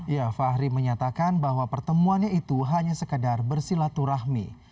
ya fahri menyatakan bahwa pertemuannya itu hanya sekedar bersilaturahmi